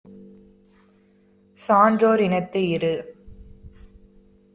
சான்றோர் இனத்து இரு.